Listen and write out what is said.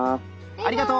ありがとう。